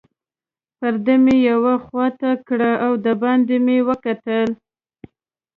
پرده مې یوې خواته کړل او دباندې مې وکتل.